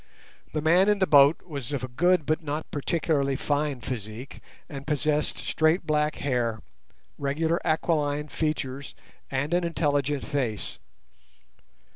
The man in the boat was of a good but not particularly fine physique, and possessed straight black hair, regular aquiline features, and an intelligent face.